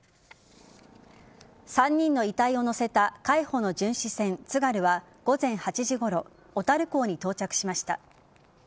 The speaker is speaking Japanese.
３人の遺体を乗せた海保の巡視船「つがる」は午前８時ごろ小樽港に到着しました。